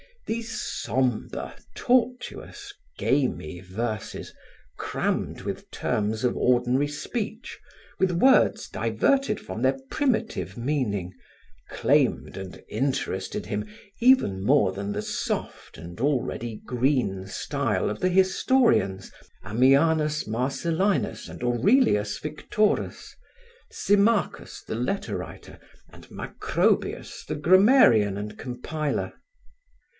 These sombre, tortuous, gamy verses, crammed with terms of ordinary speech, with words diverted from their primitive meaning, claimed and interested him even more than the soft and already green style of the historians, Ammianus Marcellinus and Aurelius Victorus, Symmachus the letter writer, and Macrobius the grammarian and compiler.